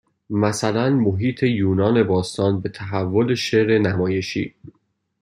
مثلاً محیط یونان باستان به تحول شعر نمایشی